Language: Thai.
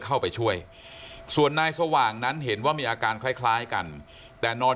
เข้าไปช่วยส่วนนายสว่างนั้นเห็นว่ามีอาการคล้ายกันแต่นอน